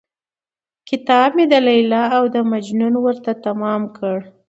كتاب مې د ليلا او د مـجنون ورته تمام كړ.